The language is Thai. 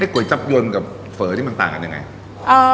ก๋วยับยนต์กับเฝอนี่มันต่างกันยังไง